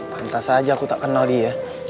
pantas saja aku tak kenal dia